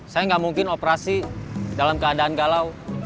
saya nggak mungkin operasi dalam keadaan galau